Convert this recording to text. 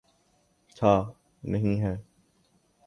تھا، نہیں ہے۔